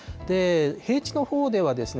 平地のほうではですね、